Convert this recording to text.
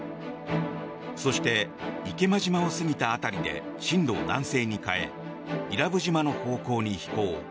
そして、池間島を過ぎた辺りで針路を南西に変え伊良部島の方向に飛行。